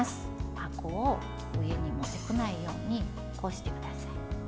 あくを上に持ってこないようにこしてください。